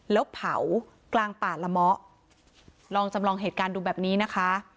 แล้วเผากลางป่าละเมาะลองจำลองเหตุการณ์ดูแบบนี้นะคะ